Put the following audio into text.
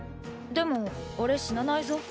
でもおれ死なないぞ。